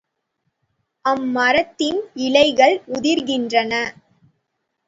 அம்மரத்தின் இலைகள் உதிர்கின்றன.